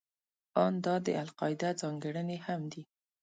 ان دا د القاعده ځانګړنې هم دي.